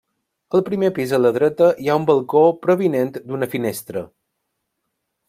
Al primer pis a la dreta hi ha un balcó provinent d'una finestra.